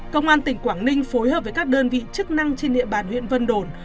công an tỉnh quảng ninh phối hợp với các đơn vị chức năng trên địa bàn huyện vân đồn